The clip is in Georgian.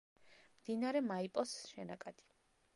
მდინარე მაიპოს შენაკადი.